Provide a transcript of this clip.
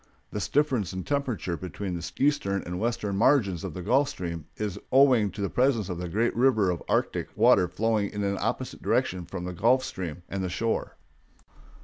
This difference in temperature between the eastern and western margins of the Gulf Stream is owing to the presence of the great river of Arctic water flowing in an opposite direction between the Gulf Stream and the shore.